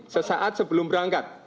sesaat sebelum berangkat